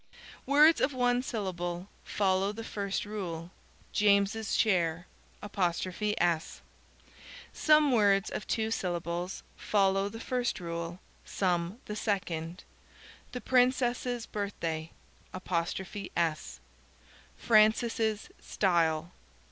Words of one syllable follow the first rule: "James's share." Some words of two syllables follow the first rule, some the second: "the princess's birthday"; "Francis' style."